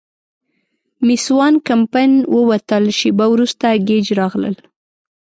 مېس وان کمپن ووتل، شیبه وروسته ګېج راغلل.